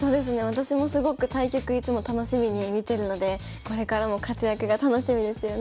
私もすごく対局いつも楽しみに見てるのでこれからも活躍が楽しみですよね。